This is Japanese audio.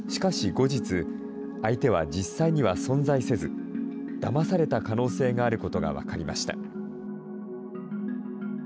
しかし、後日、相手は実際には存在せず、だまされた可能性があることが分かりました。